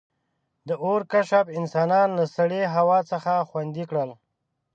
• د اور کشف انسانان له سړې هوا څخه خوندي کړل.